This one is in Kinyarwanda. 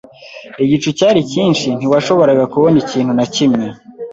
Igicu cyari cyinshi, ntitwashoboraga kubona ikintu na kimwe.